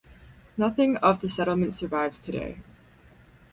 Nothing of the settlement survives today.